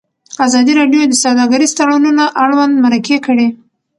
ازادي راډیو د سوداګریز تړونونه اړوند مرکې کړي.